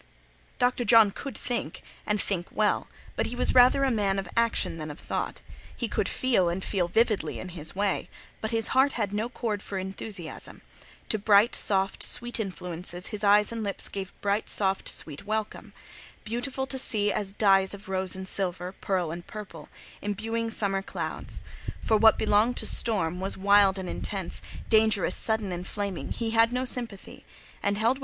Dr. John could think and think well, but he was rather a man of action than of thought; he could feel, and feel vividly in his way, but his heart had no chord for enthusiasm: to bright, soft, sweet influences his eyes and lips gave bright, soft, sweet welcome, beautiful to see as dyes of rose and silver, pearl and purple, imbuing summer clouds; for what belonged to storm, what was wild and intense, dangerous, sudden, and flaming, he had no sympathy, and held with it no communion.